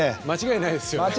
間違いないです。